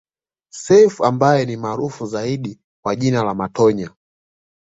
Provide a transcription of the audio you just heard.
Seif ambaye ni maarufu zaidi kwa jina la Matonya